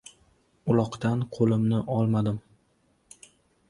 Uloqdan qo‘limni olmadim.